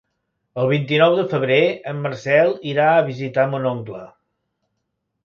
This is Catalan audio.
El vint-i-nou de febrer en Marcel irà a visitar mon oncle.